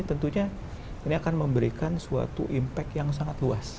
tentunya ini akan memberikan suatu impact yang sangat luas